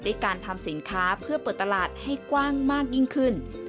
ด้วยการทำสินค้าเพื่อเปิดตลาดให้กว้างมากยิ่งขึ้น